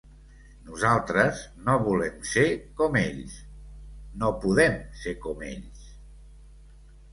Nosaltres no volem ser com ells, no podem ser com ells.